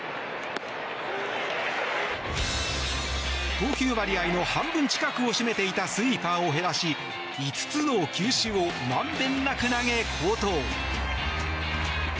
投球割合の半分近くを占めていたスイーパーを減らし５つの球種をまんべんなく投げ、好投。